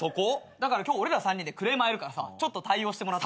だから今日俺ら３人でクレーマーやるからさちょっと対応してもらっていい？